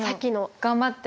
頑張ってね。